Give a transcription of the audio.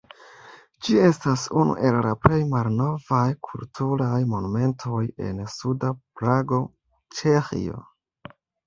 Ĝi estas unu el la plej malnovaj kulturaj monumentoj en suda Prago, Ĉeĥio.